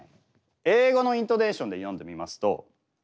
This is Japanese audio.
英語のイントネーションで読んでみますとこうなります。